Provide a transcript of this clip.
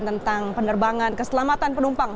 tentang penerbangan keselamatan penumpang